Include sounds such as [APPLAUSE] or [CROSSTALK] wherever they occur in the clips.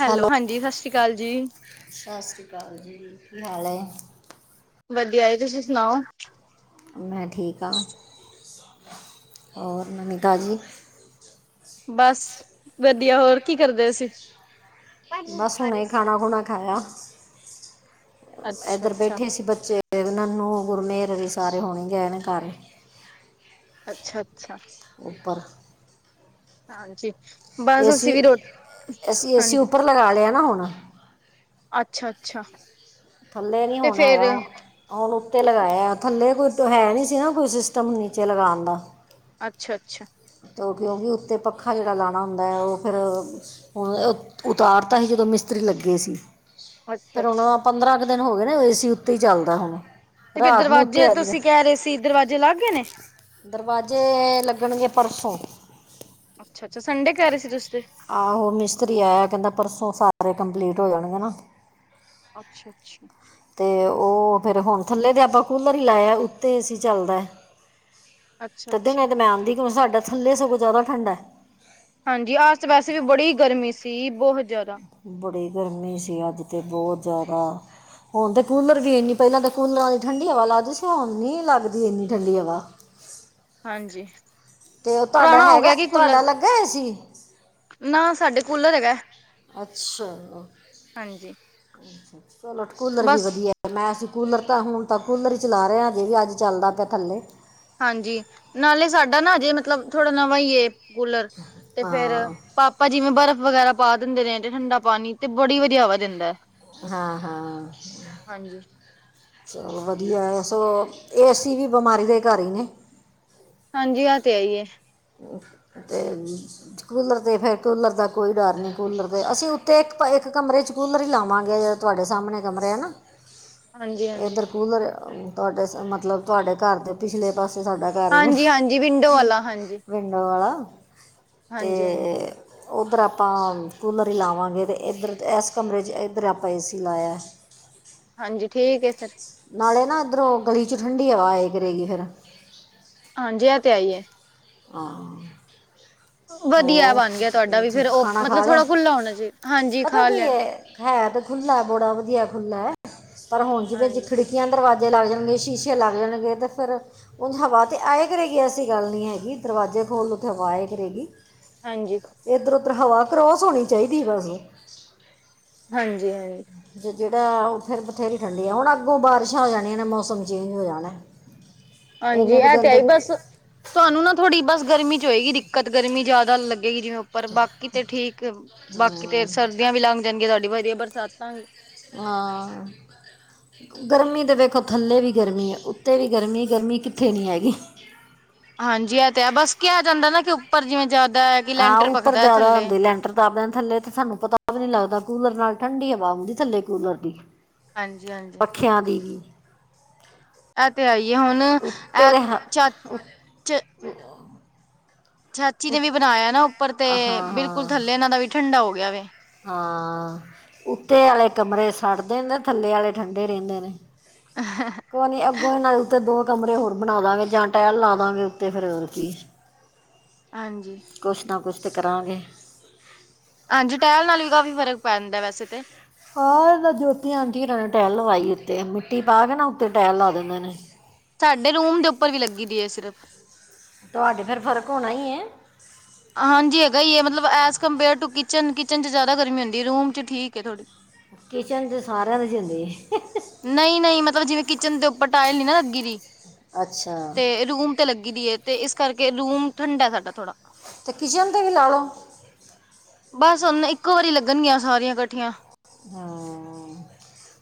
Hello ਹਾਂਜੀ ਸਤਿ ਸ਼੍ਰੀ ਅਕਾਲ ਜੀ। ਸਤਿ ਸ਼੍ਰੀ ਅਕਾਲ ਜੀ ਕੀ ਹਾਲ ਆ? ਵਧੀਆ ਏ ਤੁਸੀਂ ਸੁਣਾਓ? ਮੈਂ ਠੀਕ ਹਾਂ ਹੋਰ ਨਵੀਂ ਤਾਜੀ? ਬਸ ਵਧੀਆ ਹੋਰ ਕੀ ਕਰਦੇ ਸੀ ਫਲ ਫਰੂਟ ਬਸ ਖਾ ਰਹੇ ਹੁਣੇ ਸੀ। ਖਾਣਾ ਖੁਣਾ ਖਾਇਆ? ਅੱਛਾ ਏਧਰ ਅੱਛਾ ਬੈਠੇ ਸੀ ਬੱਚੇ ਨਨੂੰ ਗੁਰਮੇਰ ਵੀ ਸਾਰੇ ਹੋਣੇ ਗਏ ਨੇ ਘਰ ਅੱਛਾ ਅੱਛਾ ਉੱਪਰ ਹਾਂਜੀ ਬਸ ਅਸੀਂ ਏਸੀ ਵੀ ਰੋ ਅਸੀ ਏਸੀ ਹਾਂਜੀ ਉੱਪਰ ਲਗਾ ਲਿਆ ਨਾ ਹੁਣ। ਅੱਛਾ ਅੱਛਾ ਥੱਲੇ ਨੀ ਤੇ ਹੋਣ ਫੇਰ ਹੈਗਾ ਹੁ ਹੁਣ ਉੱਤੇ ਲਗਾਇਆ ਥੱਲੇ ਕੋਈ ਹੈ ਨਹੀਂ ਸੀ ਨਾ ਕੋਈ ਸਿਸਟਮ ਨੀਚੇ ਲਗਾਣ ਦਾ। ਅੱਛਾ ਅੱਛਾ ਤੋ ਕਿਉਂਕਿ ਉੱਤੇ ਪੱਖਾ ਜੇੜਾ ਲਾਣਾ ਹੁੰਦਾ ਆ ਉਹ ਫਿਰ ਹੁਣ ਉ ਉਤਾਰ ਤਾ ਸੀ ਜਦੋਂ ਮਿਸਤਰੀ ਲੱਗੇ ਸੀ। ਅੱਛਾ ਫਿਰ ਹੁਣ ਅੱਛਾ ਪੰਦਰਾਂ ਕੁ ਦਿਨ ਹੋ ਗਏ ਨੇ ਏਸੀ ਉੱਤੇ ਹੀ ਚੱਲਦਾ ਹੁਣ। ਤੇ ਫਿਰ ਰਾਤ ਨੂੰ ਉੱਤੇ ਦਰਵਾਜ਼ੇ ਆ ਜੀਦਾ ਤੁਸੀਂ ਕਹਿ ਰਹੇ ਸੀ ਦਰਵਾਜ਼ੇ ਲਾਗ ਗਏ ਨੇ? ਦਰਵਾਜ਼ੇ ਲੱਗਣਗੇ ਪਰਸੋਂ? ਅੱਛਾ ਅੱਛਾ ਸੰਡੇ ਕੈ ਰਹੇ ਸੀ ਤੁਸੀ ਤੇ? ਆਹੋ ਮਿਸਤਰੀ ਆਇਆ ਕੈਂਦਾ ਪਰਸੋਂ ਸਾਰੇ ਕੰਪਲੀਟ ਹੋ ਜਾਣਗੇ ਨਾ। ਅੱਛਾ ਅੱਛਾ ਅਤੇ ਉਹ ਫਿਰ ਹੁਣ ਥੱਲੇ ਤੇ ਆਪਾਂ ਕੂਲਰ ਹੀ ਲਾਇਆ ਉੱਤੇ ਏ ਸੀ ਚੱਲਦਾ। ਅੱਛਾ ਤਧੇ ਅੱਛਾ ਨੀ ਤੇ ਮੈਂ ਆਂਦੀ ਕਿਉਂ ਸਾਡਾ ਥੱਲੇ ਸਗੋਂ ਜ਼ਿਆਦਾ ਠੰਡ ਹੈ। ਹਾਂਜੀ ਆਜ ਤ ਵੈਸੇ ਵੀ ਬੜੀ ਗਰਮੀ ਸੀ ਬੋਤ ਜਾਦਾ। ਬੜੀ ਗਰਮੀ ਸੀ ਅੱਜ ਤ ਬੋਤ ਜ਼ਿਆਦਾ ਹੁਣ ਤੇ ਕੂਲਰ ਵੀ ਇੰਨੀ ਪੈਲਾਂ ਤਾਂ ਕੂਲਰਾਂ ਦੀ ਠੰਡੀ ਹਵਾ ਲੱਗਦੀ ਸੀ ਹੁਣ ਨੀ ਲੱਗਦੀ ਇੰਨੀ ਠੰਡੀ ਹਵਾ। ਹਾਂਜੀ ਤੇ ਓ ਤੁਆਡਾ ਪੁਰਾਣਾ ਹੋ ਹੈਗਾ ਗਿਆ ਕਿ ਤੁਆਡਾ ਕੂਲਰ ਲੱਗਾ ਏ ਸੀ? ਨਾ, ਸਾਡੇ ਕੂਲਰ ਹੈਗਾ। ਅੱਛਾ, ਹਾਂਜੀ ਚਲੋ ਕੂਲਰ ਵੀ ਬਸ ਵਧੀਐ। ਤੇ ਮੈਂ ਅਸੀ ਕੂਲਰ ਤਾਂ ਹੁਣ ਤਾਂ ਕੂਲਰ ਈ ਚਲਾ ਰੇ ਆ ਅਜੇ ਵੀ ਅੱਜ ਚੱਲਦਾ ਪਿਆ ਥੱਲੇ। ਹਾਂਜੀ, ਨਾਲੇ ਸਾਡਾ ਨਾ ਹਜੇ ਮਤਲਬ ਥੋੜਾ ਨਵਾਂ ਈ ਏ ਕੂਲਰ ਤੇ ਫੇਰ ਹਾਂ ਪਾਪਾ ਜਿਵੇਂ ਬਰਫ਼ ਵਗੈਰਾ ਪਾ ਦਿੰਦੇ ਨੇ ਤੇ ਠੰਡਾ ਪਾਣੀ ਤੇ ਬੜੀ ਵਧੀਆ ਹਵਾ ਦੇਂਦਾ ਐ। ਹਾਂ ਹਾਂ। ਚਲੋ ਵਧੀਆ ਐ ਸੋ ਏ ਸੀ ਵੀ ਬਿਮਾਰੀ ਦੇ ਘਰ ਈ ਨੇ। ਹਾਂਜੀ ਆ ਤੇ ਹੈ ਈ ਏ। ਤੇ ਕੂਲਰ ਦੇ ਫੇਰ ਕੂਲਰ ਦਾ ਕੋਈ ਡਰ ਨਈ ਕੂਲਰ ਦੇ ਅਸੀਂ ਉੱਤੇ ਇੱਕ ਹਿਕ ਕਮਰੇ 'ਚ ਕੂਲਰ ਈ ਲਾਵਾਂਗੇ। ਤੁਆਡੇ ਸਾਮਣੇ ਕਮਰੇ ਆ ਨਾ? ਹਾਂਜੀ ਹਾਂਜੀ। ਇਧਰ ਕੂਲਰ ਤੁਆਡੇ ਸ ਮਤਲਬ ਤੁਆਡੇ ਘਰ ਦੇ ਪਿਛਲੇ ਪਾਸੇ ਸਾਡਾ ਘਰ ਹੈ ਹਾਂਜੀ, ਹਾਂਜੀ ਵਿੰਡੋ ਵਾਲਾ ਹਾਂਜੀ। ਵਿੰਡੋ ਵਾਲਾ ਤੇ ਹਾਂਜੀ ਹਾਂਜੀ ਓਧਰ ਆਪਾਂ ਕੂਲਰ ਈ ਲਾਵਾਂਗੇ ਤੇ ਇੱਧਰ ਇਸ ਕਮਰੇ 'ਚ ਇੱਧਰ ਆਪਾਂ ਏ ਸੀ ਲਾਇਆ‌। [UNINTELLIGIBLE] [INAUDIBLE] ਹਾਂਜੀ ਠੀਕ ਏ ਫੇਰ। ਨਾਲੇ ਨਾ ਇਧਰੋਂ ਗਲੀ ਚੋ ਠੰਡੀ ਹਵਾ ਆਏ ਕਰੇਗੀ ਫੇਰ। ਹਾਂ ਜੀ ਐ ਤੇ ਹੈ ਈ ਐ। ਹਾਂ। ਵਧੀਆ ਹੋਰ ਬਣ ਗਿਆ ਤੁਹਾਡਾ ਵੀ [UNINTELLIGIBLE] ਫੇਰ ਉਹ ਖਾਣਾ ਮਤਲਬ ਖਾ ਲਿਆ? ਥੋੜਾ ਖੁੱਲਾ ਹੋਣਾ ਚਾਹੀਦਾ ਹਾਂਜੀ ਪਤਾ ਖਾ ਕੀ ਲਿਆ ਐ ਹੈ ਤੇ ਖੁੱਲਾ ਏ ਬੜਾ ਵਧੀਆ ਖੁੱਲਾ ਐ ਪਰ ਹੁਣ ਜਿਵੇਂ ਹਾਂਜੀ ਖਿੜਕੀ ਕਿਆਂ, ਦਰਵਾਜ਼ੇ ਲੱਗ ਜਾਣਗੇ, ਸ਼ੀਸ਼ੇ ਲੱਗ ਜਾਣਗੇ ਤੇ ਫਿਰ ਓੰਜ ਹਵਾ ਤੇ ਆਏ ਕਰੇਗੀ ਐਸੀ ਗੱਲ ਨੀ ਹੈਗੀ ਦਰਵਾਜ਼ੇ ਖੋਲ੍ਹ ਦੋ ਤੇ ਹਵਾ ਆਏ ਕਰੇਗੀ। ਹਾਂਜੀ। ਇੱਧਰ ਉੱਧਰ ਹਵਾ ਕਰੋਸ ਹੋਣੀ ਚਾਈਦੀ ਏ ਵੈਸੇ। ਹਾਂਜੀ ਹਾਂ। ਜੇ ਜਿੜਾ ਫੇਰ ਬਥੇਰੀ ਠੰਡੀ ਆ ਹੁਣ ਅੱਗੋਂ ਬਾਰਿਸ਼ਾਂ ਹੋ ਜਾਣੀਆਂ ਨੇ ਮੌਸਮ ਚੇਂਜ ਹੋ ਜਾਣਾ। [UNINTELLIGIBLE] ‌। [INAUDIBLE] ਹਾਂਜੀ ਐ ਤੇ ਹੈਈ ਬਸ ਤੁਆਨੂੰ ਨਾ ਥੋੜ੍ਹੀ ਬਸ ਗਰਮੀ ਚ ਹੋਏਗੀ ਦਿੱਕਤ ਗਰਮੀ ਜ਼ਿਆਦਾ ਲੱਗ ਗੇ ਜਿਵੇਂ ਉੱਪਰ ਬਾਕੀ ਤੇ ਠੀਕ ਬਾਕੀ ਤੇ ਸਰਦੀਆਂ ਵੀ ਲੰਘ ਜਾਣਗੀਆਂ ਤਾਡੀ ਵਧੀਆ ਬਰਸਾਤਾਂ ਵੀ। ਹਾਂ। ਗਰਮੀ ਤੇ ਵੇਖੋ ਥੱਲੇ ਵੀ ਗਰਮੀ ਏ ਉੱਤੇ ਵੀ ਗਰਮੀ ਏ ਗਰਮੀ ਕਿੱਥੇ ਨੀ ਹੈਗੀ। ਹਾਂਜੀ ਐ ਤੇ ਹੈ ਬਸ ਕਿਆ ਜਾਂਦਾ ਨਾ ਕਿ ਉੱਪਰ ਜਿਵੇਂ ਜਿਆਦ ਆਂ ਉੱਪਰ ਜਿਆਦਾ ਹੁੰਦੇ ਲੈਂਟਰ। [UNINTELLIGIBLE] ਕਿਤਾਬਾਂ ਥੱਲੇ ਤੇ ਸਾਨੂੰ ਪਤਾ ਵੀ ਨੀ ਲੱਗਦਾ ਕੂਲਰ ਨਾਲ ਠੰਡੀ ਹਵਾ ਹੁੰਦੀ ਥੱਲੇ ਕੂਲਰ ਦੀ। ਹਾਂਜੀ ਹਾਂਜੀ। ਖਿਆ ਦੀ। ਐ ਤੇ ਹੈਈਏ ਹੁਣ ਉੱਤੇ ਐ ਦੇ ਹ- ਚਾ ਚ ਚਾਚੀ ਨੇ ਉੱਤ- ਵੀ ਬਣਾਇਆ ਨਾ ਉੱਪਰ ਤੇ ਹਾਂ ਬਿਲਕੁਲ ਹਾਂ ਥੱਲੇ ਇਨਾਂ ਦਾ ਵੀ ਠੰਡਾ ਹੋ ਗਿਆ ਵੇ। ਹਾਂ ਉੱਤੇ ਆਲੇ ਕਮਰੇ ਸੜਦੇ ਨੇ ਤੇ ਥੱਲੇ ਆਲੇ ਠੰਡੇ ਰੈਂਦੇ ਨੇ। ਹਾਂ। ਕੋਈ ਨੀ, ਅੱਗੋਂ ਇਹਨਾਂ ਦੇ ਉੱਤੇ ਦੋ ਕਮਰੇ ਹੋਰ ਬਣਾ ਦਵਾਂਗੇ, ਜਾਂ ਟੈਲ ਲਾ ਦਵਾਂਗੇ ਉੱਤੇ ਫਰ ਕੀ ਹਾਂਜੀ। ਕੁਛ ਨਾ, ਕੁਛ ਤਾਂ ਕਰਾਂਗੇ। ਹਾਂਜੀ, ਟਹਿਲ ਨਾਲ ਵੀ ਕਾਫ਼ੀ ਫਰਕ ਪੈ ਜਾਂਦਾ ਵੈਸੇ ਤੇ। ਆਹ ਇਹ ਤਾਂ ਜੋਤੀ ਆਰਾਂ ਨੇ ਟਹਿਲ ਲਵਾਈ ਉੱਤੇ, ਮਿੱਟੀ ਪਾ ਕੇ ਨਾ ਉੱਤੇ ਟਹਿਲ ਲਾ ਦਿੰਦੇ ਨੇ। ਸਾਡੇ ਰੂਮ, ਦੇ ਉੱਪਰ ਵੀ ਲੱਗੀ ਦੀ ਹੈ ਸਿਰਫ। ਤੁਹਾਡੇ ਫਿਰ ਫ਼ਰਕ ਹੋਣਾ ਹੀ ਹੈ। ਹਾਂਜੀ ਹੈਗਾ ਹੈ ਮਤਲਬ, as compare to kitchen, kitchen 'ਚ ਜ਼ਿਆਦਾ ਗਰਮੀ ਹੁੰਦੀ, ਰੂਮ 'ਚ ਠੀਕ ਹੈ ਥੋੜ੍ਹੀ। ਕਿਚਨ 'ਤੇ ਸਾਰਿਆਂ ਦੇ ਹੁੰਦੀ। ਨਹੀਂ ਨਹੀਂ ਮਤਲਬ, ਜਿਵੇਂ ਕਿਚਨ ਦੇ ਉੱਪਰ ਟਾਇਲ ਨਾ ਲੱਗੀ ਰਹੀ ਅੱਛਾ ਤੇ ਰੂਮ ਤੇ ਲੱਗੀ ਦੀ ਹੈ ਤੇ ਇਸ ਕਰਕੇ, ਰੂਮ ਠੰਡਾ ਸਾਡਾ ਥੋੜਾ ਤੇ ਕਿਚਨ ਤੇ ਵੀ ਲਾ ਲਓ। ਬਸ ਹੁਣ, ਇੱਕੋ ਵਾਰੀ ਲੱਗਣਗੀਆਂ ਸਾਰੀਆਂ ਕੱਠੀਆਂ ਹਾਂ।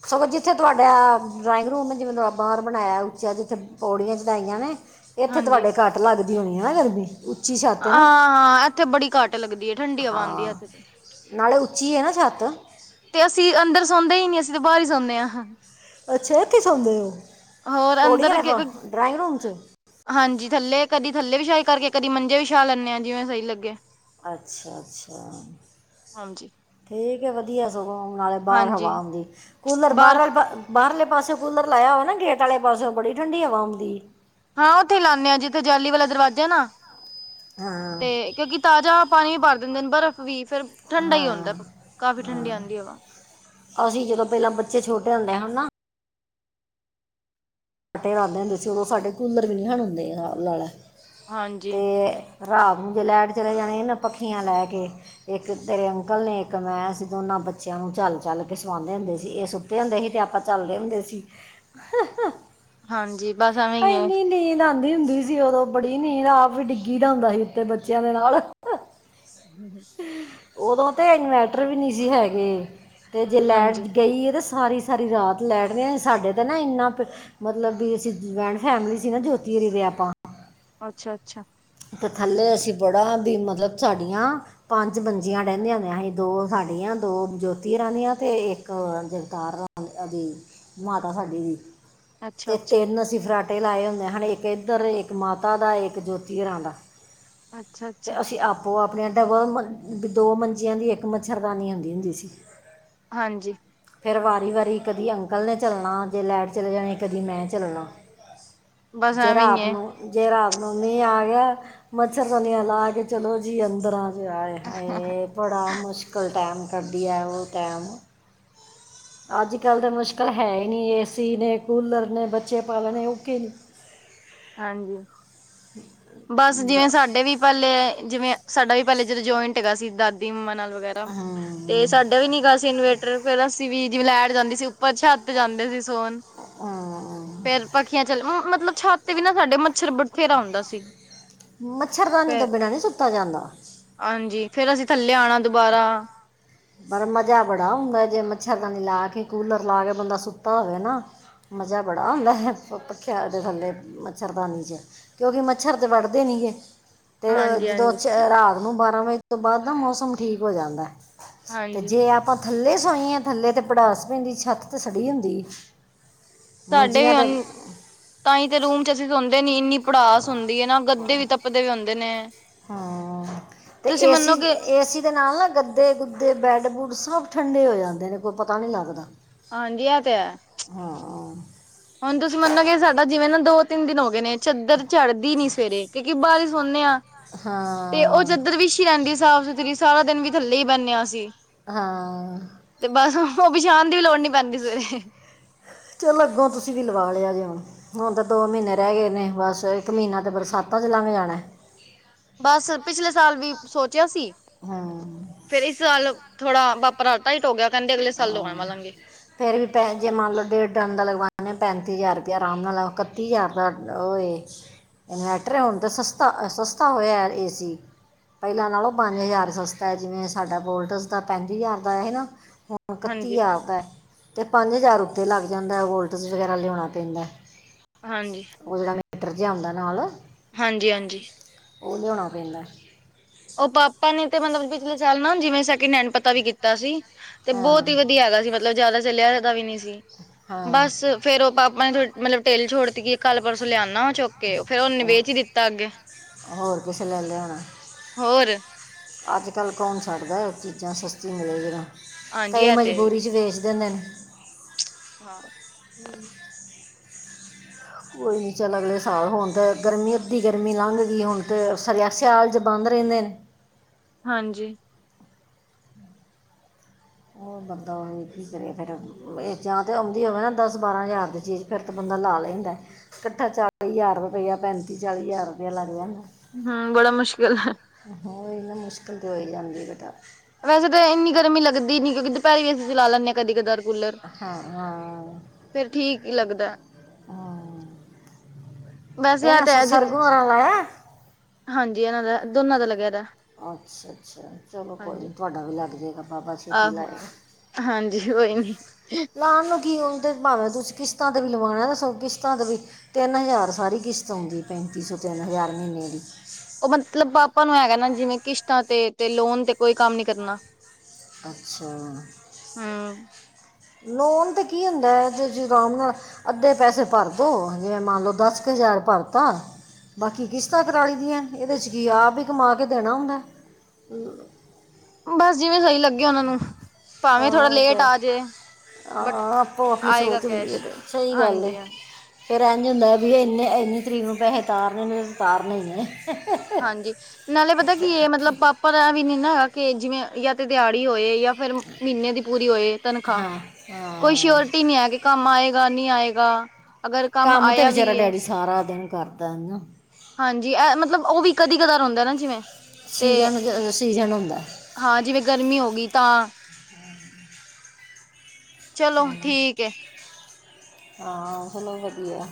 ਸਗੋਂ ਜਿੱਥੇ ਤੁਹਾਡਾ ਡਰਾਇੰਗ ਰੂਮ, ਜਿਵੇਂ ਦਾ ਬਾਹਰ ਬਣਾਇਆ ਉੱਚਾ ਜਿੱਥੇ ਪੌੜੀਆਂ ਚੜਾਈਆਂ ਨੇ, ਇੱਥੇ ਹਾਂਜੀ ਤੁਹਾਡੇ ਘੱਟ ਲੱਗਦੀ ਹੋਣੀ ਹੈ ਨਾ ਗਰਮੀ ਉੱਚੀ ਛੱਤ ਹੈ ਆਂ ਨਾ ਹਾਂ ਇੱਥੇ ਬੜੀ ਘੱਟ ਲੱਗਦੀ ਹੈ, ਠੰਡੀ ਹਵਾ ਆਂਦੀ ਹੈ ਇੱਥੇ ਨਾਲ਼ੇ ਉੱਚੀ ਹੈ ਨਾ, ਛੱਤ ਤੇ ਅਸੀਂ ਅੰਦਰ ਸੌਂਦੇ ਹੀ ਨੀ, ਅਸੀਂ ਤੇ ਬਾਹਰ ਹੀ ਸੌਂਦੇ ਹਾਂ। ਅੱਛਾ ਇਥੇ ਸੌੰਦੇ ਉਹ, ਹੋਰ ਅੰਦਰ ਪੌੜੀਆਂ ਕੋਲ ਡਰਾਇੰਗ ਰੂਮ 'ਚ ਹਾਂਜੀ ਥੱਲੇ, ਕਦੀ ਥੱਲੇ ਵੀ ਵਛਾਈ ਕਰਕੇ, ਕਦੀ ਮੰਜੇ ਵੀ ਵਛਾ ਲੈਂਨਦੇ ਆਂ, ਜਿਵੇਂ ਸਹੀ ਲੱਗੇ। ਅੱਛਾ -ਅੱਛਾ, ਹਾਂਜੀ ਠੀਕ। ਵਧੀਆ ਸਗੌਂ, ਨਾਲੇ ਬਾਹਰ ਹਾਂਜੀ ਹਵਾ ਹੁੰਂਦੀ, ਕੂਲਰ ਬਾਹਰ ਬਾਹਰਲ ਬ ਬਾਹਰਲੇ ਪਾਸਿਓ ਕੂਲਰ ਲਾਇਆ ਹੋਵੇ ਨਾ ਗੇਟ ਵਾਲੇ ਪਾਸਿਓ, ਬੜੀ ਠੰਡੀ ਹਵਾ ਆਂਦੀ। ਹਾਂ ਉੱਥੇ ਹੀ ਲਾਣੇ ਆਂ, ਜਿੱਥੇ ਜਾਲੀ ਵਾਲਾ ਦਰਵਾਜ਼ਾ ਨਾ ਹਾਂ ਤੇ ਕਿਉਂਕਿ ਤਾਜ਼ਾ ਪਾਣੀ ਵੀ ਭਰ ਦਿੰਦੇ ਨੇ ਬਰਫ਼ ਵੀ, ਫੇਰ ਠੰਡਾ ਹੀ ਆਉਂਦਾ ਹਾਂ ਕਾਫ਼ੀ ਠੰਡੀ ਹਾਂ ਆਉਂਦੀ ਹੈ ਹਵਾ ਅਸੀਂ, ਜਦੋਂ ਪਹਿਲਾਂ ਬੱਚੇ ਛੋਟੇ ਹੁੰਦੇ ਹਨਾ ਫੇੇਰ ਆਂਦੇ ਹੁੰਦੇ ਸੀ ਉਦੋਂ ਸਾਡੇ ਕੂਲਰ ਵੀ ਨਹੀਂ ਹੁਣੇ ਹੁੰਦੇ, ਨਾ ਸਾਬ ਲਾ ਲਾ ਹਾਂਜੀ ਤੇ ਰਾਤ ਨੂੰ ਜੇ ਲੈਟ ਚਲੇ ਜਾਣੇ ਨਾ, ਪੱਖੀਆਂ ਲੈ ਕੇ ਇੱਕ ਤੇਰੇ ਅੰਕਲ ਨੇ, ਇੱਕ ਮੈਂ ਸੀ, ਤੇ ਉਹਨਾਂ ਬੱਚਿਆਂ ਨੂੰ ਝਲ ਝਲ ਕੇ ਸਵਾਦੇ ਹੁੰਦੇ ਸੀ ਇਹ ਸੁ ਤੇ ਹੁੰਦੇ ਸੀ, ਤੇ ਆਪਾਂ ਝਲਦੇ ਹੁੰਦੇ ਸੀ। [INAUDIBLE] ਹਾਂਜੀ, ਬਸ ਐਵੇਂ ਹੀ ਐ। ਇੰਨੀ ਨੀਂਦ ਆਂਦੀ ਹੁੰਦੀ ਸੀ ਉਦੋਂ ਬੜੀ ਨੀਂਦ, ਆਪ ਵੀ ਡਿੱਗੀ ਦਾ ਹੁੰਦਾ ਸੀ ਉੱਥੇ, ਬੱਚਿਆਂ ਦੇ ਨਾਲ [INAUDIBLE] ਹੂੰ- ਹੂੰ। ਉਦੋਂ ਤੇ ਇਨਵਰਟਰ ਵੀ ਨਹੀਂ ਸੀ ਹੈਗੇ, ਤੇ ਜੇ ਹਾਂਜੀ ਲਾਈਟ ਗਈ ਹੈ ਤੇ ਸਾਰੀ ਸਾਰੀ ਰਾਤ ਲੈਟ ਨਹੀ, ਸਾਡੇ ਤਾਂ ਨਾ ਇੰਨਾ ਪ ਮਤਲਬ ਵੀ ਅਸੀਂ ਜੁਆਇੰਟ ਫੈਮਿਲੀ ਸੀ ਨਾ, ਜੋਤੀ ਹਰੀ ਤੇ ਆਪਾਂ ਅੱਛਾ -ਅੱਛਾ। ਅਤੇ ਥੱਲੇ ਅਸੀਂ ਬੜਾ ਵੀ, ਮਤਲਬ ਸਾਡੀਆਂ ਪੰਜ ਮੰਜੀਆਂ ਡਹਿੰਦੀਆਂ ਹੁੰੰਦੀਆ ਹੀ, ਦੋ ਸਾਡੀਆਂ, ਦੋ ਜੋਤੀ ਹੂਰਾਂ ਦੀਆਂ, ਤੇ ਇੱਕ ਜਗਤਾਰ ਉਹਦੀ, ਮਾਤਾ ਸਾਡੀੇ ਦੀ ਅੱਛਾ ਤੇ ਅੱਛਾ ਤਿੰਨ ਅਸੀਂ ਫਰਾਟੇ ਲਾਏ ਹੁੰਦੇ ਹਨ, ਇੱਕ ਇੱਧਰ, ਇੱਕ ਮਾਤਾ ਦਾ, ਇੱਕ ਜੋਤੀ ਜੀ ਰਾਂਦਾ ਅੱਛਾ ਅੱਛਾ ਤੇ ਅਸੀਂ ਆਪ ਓ ਆਪੋ ਤੋ ਡਬਲ ਦੋ ਮੰਜੀਆਂ ਦੀ ਇੱਕ ਮੱਛਰਦਾਨੀ ਆਉਂਦੀ ਹੁੰਦੀ-ਹੁੰਦੀ ਸੀ। ਹਾਂਜੀ। ਫੇਰ ਵਾਰੀ-ਵਾਰੀ ਕਦੀ ਅੰਕਲ ਨੇ ਝੱਲਣਾ ਜੇ ਲਾਈਟ ਚਲੇ ਜਾਣੀ ਕਦੀ ਮੈਂ ਝੱਲਣਾ। ਬਸ ਜੇ ਐਵੇਂ ਹੀ ਰਾਤ ਹੈ ਨੂੰ-ਜੇ ਰਾਤ ਨੂੰ ਮੀਂਹ ਆ ਗਿਆ, ਮੱਛਰ ਦਾਨੀਆ ਲਾ ਕੇ ਚਲੋ ਜੀ ਅੰਦਰ ਆਜੋ, ਆਏ ਹਾਏ। ਬੜਾ ਮੁਸ਼ਕਿਲ ਟਾਈਮ ਕਢਿਆ ਹੈ ਉਹ ਟਾਈਮ ਅੱਜ-ਕੱਲ੍ਹ ਤਾਂ ਮੁਸ਼ਕਿਲ ਹੈ ਹੀ ਨਹੀਂ, ਏ ਸੀ ਨੇ, ਕੂਲਰ ਨੇ ਬੱਚੇ ਪਾਲਣੇ ਔਖੇ ਨਹੀਂ। ਹਾਂਜੀ, ਬਸ ਰ- ਜਿਵੇਂ ਸਾਡੇ ਵੀ ਪਹਿਲੇ ਜਿਵੇਂ ਸਾਡਾ ਵੀ ਪਹਿਲੇ ਜਦੋਂ ਜੁਆਇੰਟ ਹੈਗਾ ਸੀ ਦਾਦੀ ਮੰਮਾ ਨਾਲ ਵਗੈਰਾ ਤੇ ਹਮ, ਸਾਡਾ ਵੀ ਨੀ ਗਾ ਸੀ ਇਨਵੇਰਟਰ, ਫਿਰ ਅਸੀਂ ਵੀ ਜਿਵੇਂ ਲੈਟ ਜਾਂਦੀ ਸੀ। ਉੱਪਰ ਛੱਤ ਜਾਂਦੇ ਸੀ ਸੋਣ, ਹਮ, ਫੇਰ ਪੱਖੀਆਂ ਚਲੇ ਮਤਲਬ ਛੱਤ ਤੇ ਵੀ ਨਾ ਸਾਡੇ ਮੱਛਰ ਬਤੇਰਾ ਹੁੰਦਾ ਸੀ। ਮੱਛਰਦਾਨੀ ਤੋਂ ਫੇਰ ਬਿਨਾਂ ਨਹੀਂ ਸੁੱਤਾ ਜਾਂਦਾ। ਹਾਂਜੀ, ਫੇਰ ਅਸੀਂ ਥੱਲੇ ਆਣਾ ਦੁਬਾਰਾ ਪਰ ਮਜ਼ਾ ਬੜਾ ਆਉੰਦਾ, ਜੇ ਮੱਛਰਦਾਨੀ ਲਾ ਕੇ, ਕੂਲਰ ਲਾ ਕੇ ਬੰਦਾ ਸੁੱਤਾ ਹੋਵੇ ਨਾ। ਮਜ਼ਾ ਬੜਾ ਆਉਦਾ ਹੈ ਪੱਖਿਆਂ ਦੇ ਥੱਲੇ ਮੱਛਰਦਾਨੀ 'ਚ ਕਿਉਂਕਿ ਮੱਛਰ ਤੇ ਵੱਢਦੇ ਨੀ ਗੇ ਤੇ ਹਾਂਜੀ ਜਦੋਂ ਹਾਂਜੀ ਰਾਤ ਉਣ ਬਾਰਾਂ ਵਜੇ ਤੋਂ ਬਾਅਦ ਨਾ ਮੌਸਮ ਠੀਕ ਹੋ ਜਾਂਦਾ ਤੇ ਹਾਂਜੀ ਜੇ ਆਪਾਂ ਥੱਲੇ ਸੋਈਏ, ਥੱਲੇ ਤੇ ਪੜਾਸ ਪੈਂਦੀ ਛੱਤ ਤੇ ਸੜੀ ਹੁੰਦੀ। ਸਾਡੇ ਮੰਜੀਆਂ ਤੇ ਹੁਣ, ਤਾਂ ਹੀ ਤੇ ਰੂਮ ਚ ਅਸੀਂ ਸੋਂਦੇ ਨੀ ਇੰਨੀ ਪੜਾਸ ਹੁੰਦੀ ਹੈ ਨਾ ਗੱਦੇ ਵੀ ਤੱਪਦੇ ਵੀ ਹੁੰਦੇ ਨੇ। ਹਾਂ, ਤੇ ਤੁਸੀਂ ਮੰਨੋਗੇ ਏਸੀ-ਏਸੀ ਦੇ ਨਾਲ ਨਾ ਗੱਦੇ, ਗੁੱਦੇ ਬੈਡ, ਬੁੱਡ ਸਭ ਠੰਡੇ ਹੋ ਜਾਂਦੇ ਨੇ ਕੋਈ ਪਤਾ ਨੀ ਲੱਗਦਾ। ਹਾਂਜੀ, ਏਤੇ ਹੈ। ਹਾਂ। ਹੁਣ ਤੁਸੀਂ ਮੰਨੋਗੇ ਸਾਡਾ ਜਿਵੇ ਨਾ ਦੋ-ਤਿੰਨ ਦਿਨ ਹੋ ਗਏ ਨੇ ਚਾਦਰ ਚੜ੍ਹਦੀ ਨੀ ਸਵੇਰੇ ਕਿਉਂਕਿ ਬਾਹਰ ਸੋਹਨੇ ਆ ਤੇ ਉ ਹਾਂ ਚਦਰ ਵੀ ਬੀਛੀ ਰਹਿੰਦੀ ਸਾਫ਼ ਸੁਥਰੀ ਸਾਰਾ ਦਿਨ ਵੀ ਥੱਲੇ ਹੀ ਬੈਨਿਆ ਅਸੀ। ਹਾਂ। ਤੇ ਬਸ ਉਹ ਵਿਛਾਣ ਦੀ ਵੀ ਲੋੜ ਨੀ ਪੈਂਦੀ ਸਵੇਰੇ। ਚਲੋ ਅੱਗੋਂ ਤੁਸੀਂ ਵੀ ਲਵਾ ਲਿਆ ਜੇ ਹੁਣ। ਹੁਣ ਤਾਂ ਦੋ ਮਹੀਨੇ ਰਹਿ ਗਏ ਨੇ, ਬਸ ਇੱਕ ਮਹੀਨਾ ਤੇ ਬਰਸਾਤਾਂ ਚ ਲੰਘ ਜਾਣਾ। ਬਸ, ਪਿਛਲੇ ਸਾਲ ਵੀ ਸੋਚਿਆ ਸੀ। ਹਾਂ। ਚਲ, ਥੋੜਾ ਅਪਨਾ ਹਥ ਟਾਈਟ ਹੋ ਗਿਆ ਕਹਿੰਦੇ ਅਗਲੇ ਸਾਲ ਆ ਲਵਾਲਾਂਗੇ। ਫੇਿਰ ਵੀ ਪੈਸੇ, ਜੇ ਮੰਨ ਲਓ ਡੇਢ ਡਨ ਦਾ ਲਗਵਾਉਂਦੇ ਹਾਂ ਪੈਂਤੀ ਹਜ਼ਾਰ ਰੁਪਇਆ ਅਰਾਮ ਨਾਲ ਲਓ ਇਕੱਤੀ ਹਜ਼ਾਰ ਦਾ ਔ ਏ ਇਨਵੈਟਰ ਹੈ, ਹੁਣ ਤਾਂ ਸਸਤਾ ਹੋਇਆ ਏ ਸੀ। ਪਹਿਲਾਂ ਨਾਲੋਂ ਪੰਜ ਹਜ਼ਾਰ ਸਸਤਾ ਏ ਜਿਵੇਂ ਸਾਡਾ ਵੋਲਟਸ ਦਾ ਪੈਂਤੀ ਹਜ਼ਾਰ ਦਾ ਆਇਆ ਸੀ ਨਾ। ਹੁਣ ਈਕਤੀ ਹਾਂਜੀ ਹਜਾਰ ਦਾ ਹੈ। ਤੇ ਪੰਜ ਹਜ਼ਾਰ ਉੱਤੇ ਲੱਗ ਜਾਂਦਾ ਵੋਲਟਸ ਵਗੈਰਾ ਲਿਆਉਣਾ ਪੈਂਦਾ, ਹਾਂਜੀ, ਉਹ ਜਿਹੜਾ ਡਰ ਜਿਹਾ ਉਂਦਾ ਨਾਲ। ਹਾਂਜੀ-ਹਾਂਜੀ। ਉਹ ਲਿਆਉਣਾ ਪੈਂਦਾ। ਉ ਪਾਪਾ ਨੇ ਤੇ ਮਤਲਬ ਪਿਛਲੇ ਸਾਲ ਨਾ ਜਿਵੇਂ ਸੈਕਿੰਡ ਹੈਂਡ ਪਤਾ ਵੀ ਕੀਤਾ ਸੀ। ਤੇ ਬਹੁਤ ਹੀ ਹਾਂ ਵਧੀਆ ਹੈਗਾ ਸੀ ਮਤਲਬ ਜ਼ਿਆਦਾ ਚੱਲਿਆਦਾ ਵੀ ਨੀ ਸੀ। ਹਾਂ ਬਸ ਫੇਰ ਉਹ ਪਾਪਾ ਨੇ ਮਤਲਬ ਢਿੱਲ ਛੋੜਤੀਈ ਕੱਲ ਪਰਸੋਂ ਲਿਆਉਦਾ, ਉਹ ਚੁੱਕ ਕੇ ਫੇਰ ਉਹਨੇ ਵੇਚ ਹੀ ਉਹ- ਦਿੱਤਾ ਅੱਗੇ। ਹੋਰ ਕਿਸੇ ਲੈ ਲਿਆ ਹੋਣਾ। ਹੋਰ ਅੱਜ ਕੱਲ੍ਹ ਕੌਣ ਛੱਡਦਾ ਚੀਜ਼ਾਂ ਸਸਤੀ ਮਿਲਦਿਆਂ। ਹਾਂਜੀ ਕਈ ਇਹ ਤੇ ਮਜ਼ਬੂਰੀ ਚ' ਵੇਚ ਦਿੰਦੇ ਨੇ। ਹਾਂ। ਹੂ [UNINTELLIGIBLE] ਕੋਈ ਨੀ ਚੱਲ ਅਗਲੇ ਸਾਲ ਹੁਣ ਤਾਂ ਗਰਮੀ ਅੱਧੀ ਗਰਮੀ ਲੰਘ ਗਈ ਹੁਣ ਤੇ ਸਿਆ ਸਿਆਲ 'ਚ ਬੰਦ ਰਹਿੰਦੇ ਨੇ। ਹਾਂਜੀ। ਉਹ ਬੰਦਾ ਹੋ ਕੀ ਕਰੇ ਫਿਰ। ਜਾਂ ਤੇ ਆਉਂਦੀ ਹੋਵੇ ਨਾ ਦਸ- ਬਾਰਾਂ ਹਜ਼ਾਰ ਦੀ ਚੀਜ਼ ਫੇਰ ਤਾਂ ਬੰਦਾ ਲਾ ਲੈਂਦਾ। ਇਕੱਠਾ ਚਾਲੀ ਹਜ਼ਾਰ ਰੁਪਇਆ ਪੈਂਤੀ ਚਾਲੀ ਹਜ਼ਾਰ ਰੁਪਇਆ ਲੱਗ ਜਾਂਦਾ। ਹਾ। ਬੜਾ ਮੁਸ਼ਕਿਲ ਹੈ। ਇਹਨਾ ਮੁਸ਼ਕਿਲ ਤੇ ਹੋ ਹੀ ਜਾਂਦੀ ਬੇਟਾ। ਵੈਸੇ ਤਾਂ ਇੰਨੀ ਗਰਮੀ ਲੱਗਦੀ ਨਹੀਂ, ਕਿਉਂਕਿ ਦੁਪਹਿਰੇ ਏਸੀ ਚਲਾ ਲੈਂਦੇ ਹਾਂ ਕਦੀ- ਕਦਾਰ। ਕੁਲਰ। ਹਾਂ ਹਾਂ ਫਿਰ ਠੀਕ ਹੀ ਲੱਗਦਾ। ਹਾਂ ਵੈਸੇ ਇਹ ਇਹਨਾਂ ਤੇ ਹੈ। ਜ- ਸਰਗੁਣ ਹੋਰਾਂ ਲਾਇਆ ਹਾਂਜੀ, ਇਹਨਾਂ ਦਾ ਦੋਨਾਂ ਦਾ ਲੱਗਿਆ ਦਾ। ਅੱਛਾ- ਅੱਛਾ। ਚਲੋ ਕੋਈ ਨਹੀਂ ਹਾਂਜੀ। ਤੁਹਾਡਾ ਵੀ ਲੱਗ ਜਾਏਗਾ ਬਾਬਾ ਸ਼੍ਰੀ ਆਹੋ! ਹਾਂਜੀ, ਕੋਈ ਨੀ। ਲਾਉਣ ਕਿ ਹੁਜ ਭਾਵੇਂ ਤੁਸੀਂ ਕਿਸਤਾਂ ਤੇ ਲਵਾਉਨਾ ਦੱਸੋ ਕਿਸਤਾਂ 'ਤੇ ਵੀ। ਤਿੰਨ ਹਜ਼ਾਰ ਸਾਰੀ ਕਿਸ਼ਤ ਆਉਂਦੀ ਪੈਂਤੀ ਸੌ, ਤਿੰਨ ਹਜ਼ਾਰ ਮਹੀਨੇ ਦੀ। ਉਹ ਮਤਲਬ ਆਪਾ ਨੂੰ ਹੈਗਾ ਨਾ ਜਿਵੇਂ ਕਿਸ਼ਤਾਂ ਤੇ, ਤੇ ਲੋਨ ਤੇ ਕੋਈ ਕੰਮ ਨੀ ਕਰਨਾ। ਅੱਛਾ। ਹਮ ਲੋਨ ਤਾਂ ਕੀ ਹੁੰਦਾ ਜ- ਜੀ ਰਾਮ ਅੱਧੇ ਪੈਸੇ ਭਰਦੋ, ਜਿਵੇਂ ਮੰਨ ਲੋੋ ਦਸ ਕੁ ਹਜ਼ਾਰ ਭਰ ਤਾ। ਬਾਕੀ ਕਿਸ਼ਤਾਂ ਕਰਾਲੀ ਦੀਆਂ ਇਹਦੇ 'ਚ ਕੀ ਆਪ ਵੀ ਕਮਾ ਕੇ ਦੇਣਾ ਉਹਨੇ। ਬਸ ਜਿਵੇਂ ਸਹੀ ਲੱਗੇਿਆ ਉਹਨਾਂ ਨੂੰ, ਭਾਵੇਂ ਥੋੜਾ ਹਾਂ ਇਹ ਤਾਂ ਲੇਟ ਹੈ। ਆ ਜੇ। ਬਟ ਹਾਂ, ਆਪੋ ਆਪਣੀ ਆਏਗਾ ਸੋਚ ਹੁੰਦੀ ਹੈ ਕੈਸ਼ ਤੇ ਸਹੀ ਗੱਲ। ਹਾਂਜੀ ਹਾਂ ਫਿਰ ਇਂਝ ਹੁੰਦਾ ਵੀ ਇਹ ਇੰਨੇ ਇੰਨੀ ਤਰੀਕ ਨੂੰ ਪੈਸੇ ਤਾਰਨੇ ਨੇ ਉ ਤਾਰਨ ਹੀ ਹੈ। ਹਾਂਜੀ ਨਾਲੇ ਪਤਾ ਕੀ ਇਹ ਮਤਲਬ ਪਾਪਾ ਦਾ ਵੀ ਨੀ ਨਾ ਹੈਗਾ ਕਿ ਜਿਵੇਂ ਜਾਂ ਤੇ ਦਿਹਾੜੀ ਹੋਏ ਜਾਂ ਫੇਰ ਮਹੀਨੇ ਦੀ ਪੂਰੀ ਹੋਏ ਤਨਖਾਹ। ਹਾਂ ਕੋਈ ਹਾਂ ਸ਼ਓਰਟੀ ਨਹੀਂ ਆ ਕਿ ਕੰਮ ਆਏਗਾ, ਨਹੀਂ ਆਏਗਾ, ਅਗਰ ਕੰਮ ਆਇਆ ਵੀ ਹੈ। ਸਾਰੇ ਦਿਨ ਕਰਦਾ ਹੈ ਨਾ। ਹਾਂਜੀ, ਇਹ ਮਤਲਬ ਉਹ ਵੀ ਕਦੀ- ਕਦਾ ਰੋਂਦਾ ਨਾ ਜਿਵੇਂ ਤੇ ਸੀਜ- ਸੀਜਨ ਹੁੰਦਾ। ਹਾਂ, ਜਿਵੇਂ ਗਰਮੀ ਹੋ ਗਈ ਤਾਂ। [INAUDIBLE] ਚਲੋ ਠੀਕ ਹੈ ਹਾਂ। ਚਲੋ ਵਧੀਆ।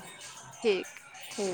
ਠੀਕ। ਹੂ